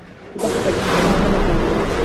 دښته د ښکلا بله بڼه لري.